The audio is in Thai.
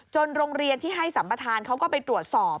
โรงเรียนที่ให้สัมประธานเขาก็ไปตรวจสอบ